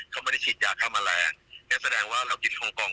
เขาไม่ที่จาค่ามแมลงแสดงว่าเรากินโรงกอง